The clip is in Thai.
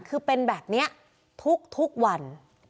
คือเป็นแบบนี้ทุกวัน